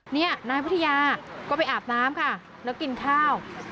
นี่นายวิทยาก็ไปอาบน้ำค่ะแล้วกินข้าว